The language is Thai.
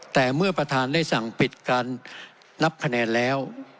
แต่เมื่อประธานได้สั่งปิดการนับคะแนนแล้ว